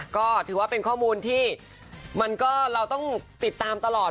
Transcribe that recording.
ก็ถือว่าเป็นข้อมูลที่มันก็เราต้องติดตามตลอด